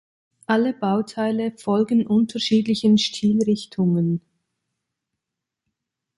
Alle Bauteile folgen unterschiedlichen Stilrichtungen.